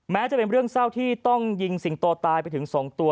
จะเป็นเรื่องเศร้าที่ต้องยิงสิงโตตายไปถึง๒ตัว